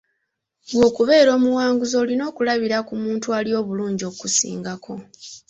Gwe okubeera omuwanguzi olina okulabira ku muntu ali obulungi okukusingako.